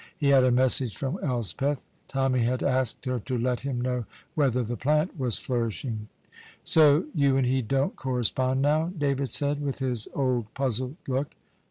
He had a message from Elspeth. Tommy had asked her to let him know whether the plant was flourishing. "So you and he don't correspond now?" David said, with his old, puzzled look.